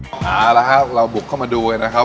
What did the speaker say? เอาละครับเราบุกเข้ามาดูกันนะครับ